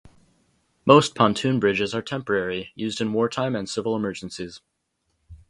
Most pontoon bridges are temporary, used in wartime and civil emergencies.